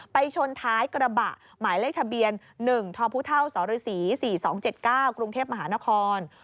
ชนท้ายกระบะหมายเลขทะเบียน๑ทพศ๔๒๗๙กรุงเทพมหานคร